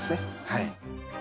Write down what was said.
はい。